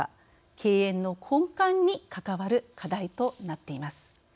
経営の根幹に関わる課題となっています。